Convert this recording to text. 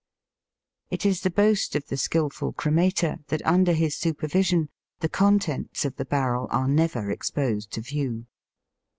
It is the boast of the skilful cremator that under his supervision the con tents of the barrel are never exposed to view.